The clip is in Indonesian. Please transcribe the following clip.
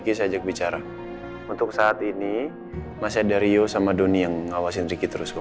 gue pasti mendapatkan keisha